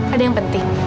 ada yang penting